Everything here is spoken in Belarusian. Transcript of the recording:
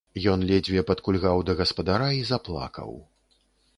Ён ледзьве падкульгаў да гаспадара і заплакаў.